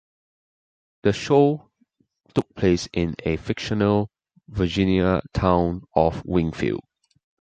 The show took place in the fictional Virginia town of Wingfield.